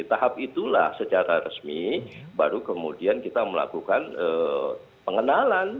tahap itulah secara resmi baru kemudian kita melakukan pengenalan